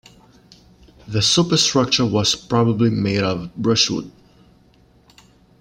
The superstructure was probably made of brushwood.